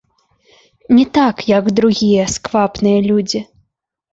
Не так, як другія сквапныя людзі.